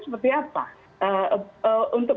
seperti apa untuk